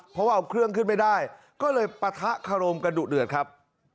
เพราะว่าเอาเครื่องขึ้นไม่ได้ก็เลยปะทะคารมกันดุเดือดครับ